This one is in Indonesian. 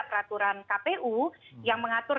peraturan kpu yang mengatur